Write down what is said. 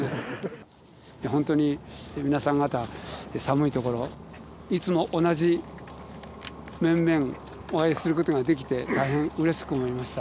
本当に皆様方寒いところいつも同じ面々お会いすることができて大変うれしく思いました。